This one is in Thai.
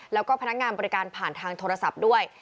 แล้วก็พนักงานบริการผ่านทางโทรศัพท์ด้วย